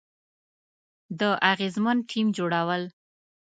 د اغیزمن ټیم جوړول،